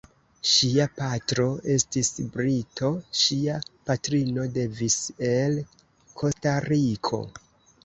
Ŝia patro estis brito, ŝia patrino devenis el Kostariko.